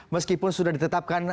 meskipun sudah ditetapkan